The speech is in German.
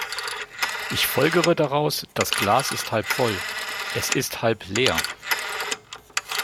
Ich folgere daraus, das Glas ist halb voll, es ist halb leer.